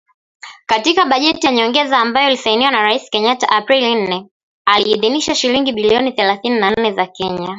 Katika bajeti ya nyongeza ambayo ilisainiwa na Rais Kenyatta Aprili nne, aliidhinisha shilingi bilioni thelathini na nne za kenya